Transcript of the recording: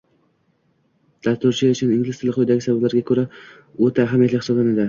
Dasturchi uchun ingliz tili quyidagi sabablarga ko’ra o’ta ahamiyatli hisoblanadi